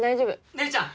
姉ちゃん